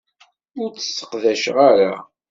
Ur tt-sseqdaceɣ ara.